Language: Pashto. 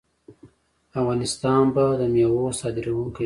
افغانستان به د میوو صادروونکی وي.